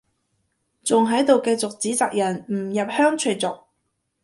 仲喺度繼續指責人唔入鄉隨俗